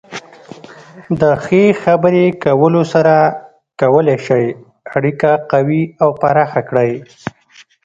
د ښې خبرې کولو سره کولی شئ اړیکه قوي او پراخه کړئ.